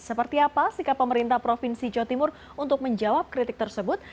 seperti apa sikap pemerintah provinsi jawa timur untuk menjawab kritik tersebut